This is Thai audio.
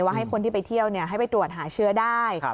ให้คนที่ไปเที่ยวให้ไปตรวจหาเชื้อได้